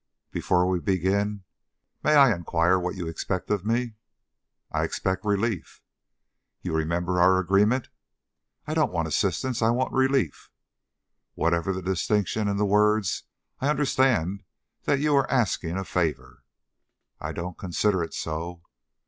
"Before we begin, may I inquire what you expect of me?" "I expect relief." "You remember our agreement?" "I don't want assistance; I want relief." "Whatever the distinction in the words, I understand that you are asking a favor?" "I don't consider it so."